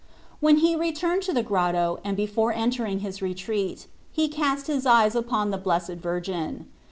When he returned to the grotto, and before entering his retreat, he cast his eyes upon the Blessed Virgin.